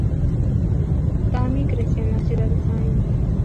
Tammy creció en la ciudad de St.